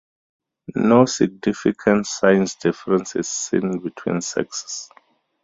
No significant size difference is seen between sexes.